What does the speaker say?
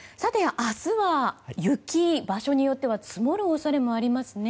明日は雪、場所によっては積もる恐れもありますね。